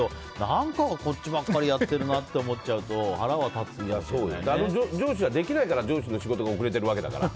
何か、こっちばっかりやってるなって思っちゃうと上司ができないから上司の仕事が遅れてるわけだから。